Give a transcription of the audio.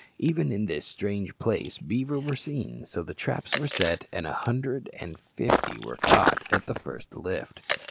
Even in this strange place beaver were seen, so the traps were set, and a hundred and fifty were caught at the first lift.